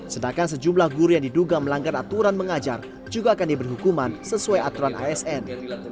sedangkan sejumlah guru yang diduga melanggar aturan mengajar juga akan diberi hukuman sesuai aturan asn